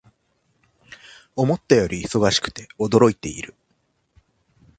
思ったより忙しくて驚いている